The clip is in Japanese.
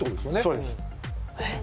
そうですえっ？